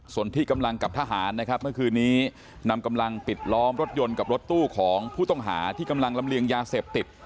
ส่วนที่กำลังกับทหารนะครับเมื่อคืนนี้นำกำลังปิดล้อมรถยนต์กับรถตู้ของผู้ต้องหาที่กำลังลำเลียงยาเสพติด